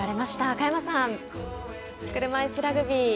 佳山さん、車いすラグビー